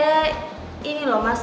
eh ini loh mas